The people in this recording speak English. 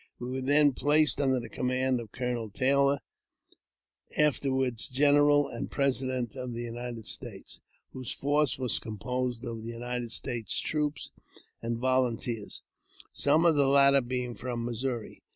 We were then placed under the command of Colonel Taylor, afterward General, and President of the United Statei whose force was composed of United States troops and volu: teers, some of the latter being from Missouri.